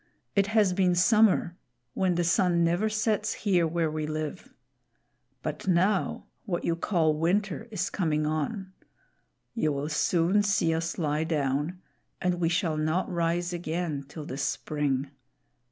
It has been summer, when the sun never sets here where we live. But now, what you call winter is coming on. You will soon see us lie down, and we shall not rise again till the spring.